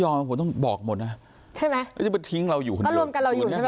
ผมไม่ยอมผมต้องบอกหมดน่ะใช่ไหมจะไปทิ้งเราอยู่คนเดียว